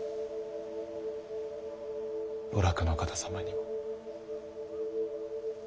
お楽の方様にも。